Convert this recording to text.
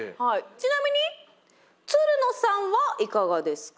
ちなみにつるのさんはいかがですか？